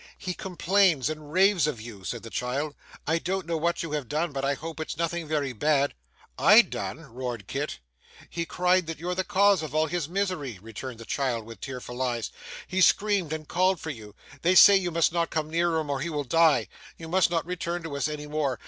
'He complains and raves of you,' said the child, 'I don't know what you have done, but I hope it's nothing very bad.' 'I done!' roared Kit. 'He cried that you're the cause of all his misery,' returned the child with tearful eyes; 'he screamed and called for you; they say you must not come near him or he will die. You must not return to us any more.